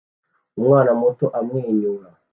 Umwana muto amwenyura